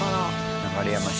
流山市。